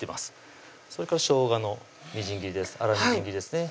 それからしょうがのみじん切り粗みじん切りですね